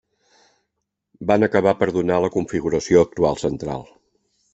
Van acabar per donar la configuració actual central.